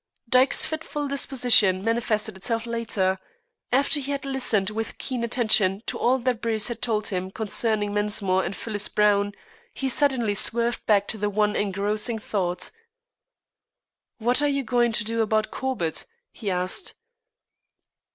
Dyke's fitful disposition manifested itself later. After he had listened with keen attention to all that Bruce had told him concerning Mensmore and Phyllis Browne, he suddenly swerved back to the one engrossing thought. "What are you going to do about Corbett?" he asked.